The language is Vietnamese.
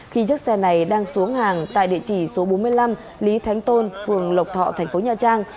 khi chiếc xe này đang xuống hàng tại địa chỉ số bốn mươi năm lý thánh tôn phường lộc thọ thành phố nha trang